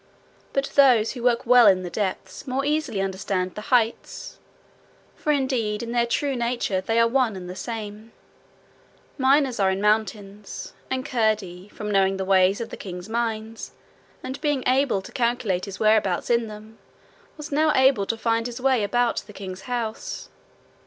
But those who work well in the depths more easily understand the heights, for indeed in their true nature they are one and the same; miners are in mountains; and Curdie, from knowing the ways of the king's mines, and being able to calculate his whereabouts in them, was now able to find his way about the king's house.